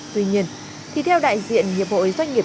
tuy nhiên thì theo đại diện hiệp hội doanh nghiệp